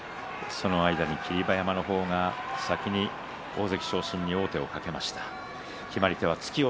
その間に霧馬山が先に大関昇進に王手をかけました。